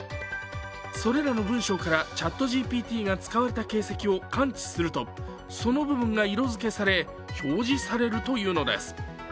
それらの文章からＣｈａｔＧＰＴが使われた形跡を感知するとその部分が色づけされ表示されるというのです。